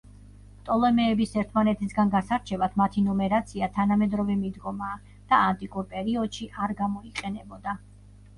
პტოლემეების ერთმანეთისგან გასარჩევად მათი ნუმერაცია თანამედროვე მიდგომაა და ანტიკურ პერიოდშ არ გამოიყენებოდა.